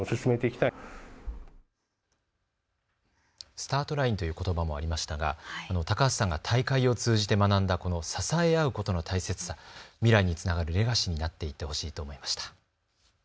スタートラインということばもありましたが、高橋さんが大会を通じて学んだこの支え合うことの大切さ、未来につながるレガシーになっていってほしいと思いました。